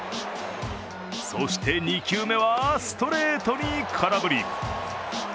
そして、２球目はストレートに空振り。